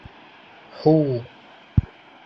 Һу-у-у!